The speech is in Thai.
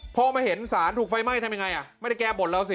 พอมาเห็นสารถูกไฟไหม้ทำยังไงอ่ะไม่ได้แก้บนแล้วสิ